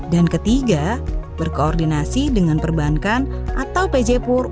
dan ketiga berkoordinasi dengan perbankan atau pjpur